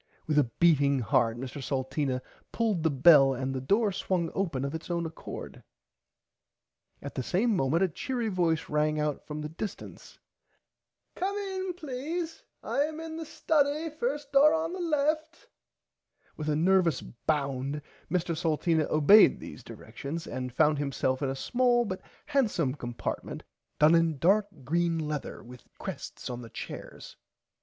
With a beating heart Mr Salteena pulled the bell and the door swung open of its own accord. At the same moment a cheery voice rang out from the distance. Come in please I am in the study first door on left. With a nervous bound Mr Salteena obeyd these directions and found himself in a small but handsome compartment done in dark green lether with crests on the chairs.